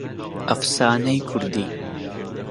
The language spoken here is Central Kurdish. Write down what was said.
ئەفسانەی کوردی